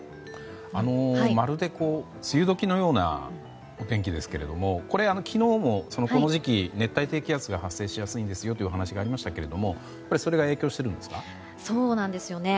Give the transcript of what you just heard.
まるで梅雨時のようなお天気ですけれども昨日もこの時期、熱帯低気圧が発生しやすいんですよというお話がありましたがそうなんですよね。